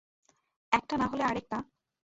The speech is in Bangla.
একটা না হলে আরেকটা।